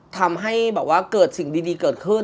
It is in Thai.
ทำให้เกิดสิ่งดีเกิดขึ้น